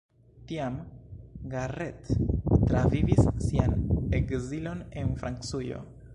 Tiam Garrett travivis sian ekzilon en Francujo.